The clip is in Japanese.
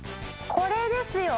これですよ！